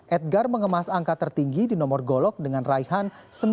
edgar mengemas angka tertinggi di nomor golok dengan raihan sembilan puluh